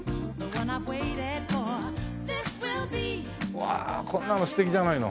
うわこんなの素敵じゃないの。